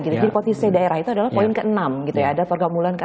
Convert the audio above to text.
jadi potensi daerah itu adalah poin ke enam ada pergamulan ke enam